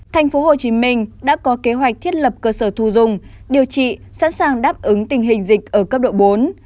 tp hcm đã có kế hoạch thiết lập cơ sở thu dùng điều trị sẵn sàng đáp ứng tình hình dịch ở cấp độ bốn